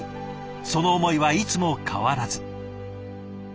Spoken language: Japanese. その思いはいつも変わらず。